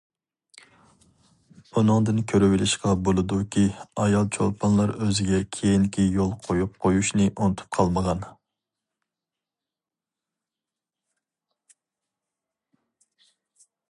ئۇنىڭدىن كۆرۈۋېلىشقا بولىدۇكى ئايال چولپانلار ئۆزىگە كېيىنكى يول قويۇپ قويۇشنى ئۇنتۇپ قالمىغان.